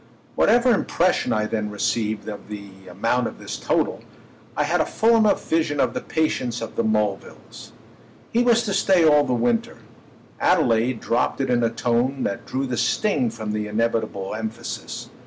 Whatever impression I then received of the amount of this total, I had a full enough vision of the patience of the Mulvilles. He was to stay all the winter: Adelaide dropped it in a tone that drew the sting from the inevitable emphasis.